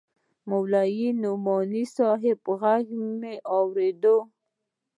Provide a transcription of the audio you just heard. د مولوي نعماني صاحب ږغ مې واورېد.